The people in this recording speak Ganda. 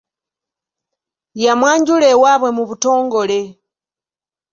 Yamwanjula ewaabwe mu butongole.